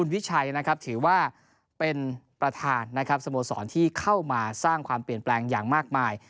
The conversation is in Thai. วิชัยนะครับถือว่าเป็นประธานนะครับสโมสรที่เข้ามาสร้างความเปลี่ยนแปลงอย่างมากมาย